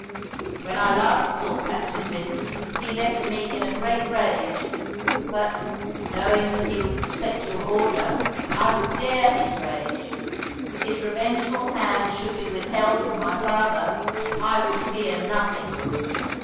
When I last saw Captain Vince he left me in a great rage, but, knowing that he would respect your order, I would dare his rage. If his revengeful hand should be withheld from my father I would fear nothing."